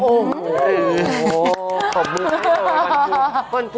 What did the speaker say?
ขอบคุณมากวันพุธ